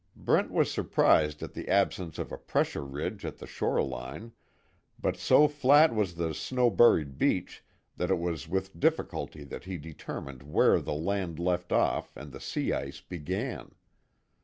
Brent was surprised at the absence of a pressure ridge at the shore line, but so flat was the snow buried beach that it was with difficulty that he determined where the land left off and the sea ice began.